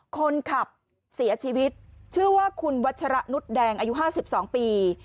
คนขับเสียชีวิตชื่อว่าคุณวัชระนุษย์แดงอายุ๕๒ปี